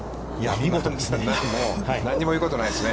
見事ですね。